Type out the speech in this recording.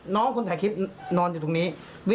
น้องคนถ่ายคลิปนอนอยู่ตรงนี้